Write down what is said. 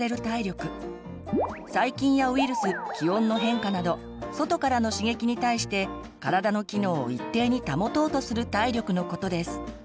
細菌やウイルス気温の変化など外からの刺激に対して体の機能を一定に保とうとする体力のことです。